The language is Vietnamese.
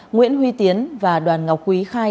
nguyễn huy tiến và đoàn ngọc quý khai